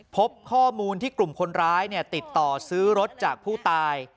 พบข้อมูลที่กลุ่มคนร้ายติดต่อซื้อรถจากผู้ตาย